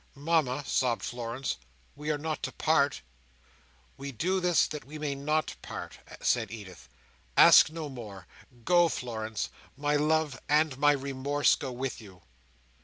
"Mama," sobbed Florence, "we are not to part?" "We do this that we may not part," said Edith. "Ask no more. Go, Florence! My love and my remorse go with you!"